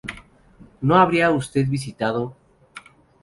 ¿No habrá usted visitado